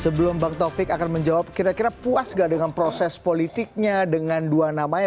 sebelum bang taufik akan menjawab kira kira puas gak dengan proses politiknya dengan dua namanya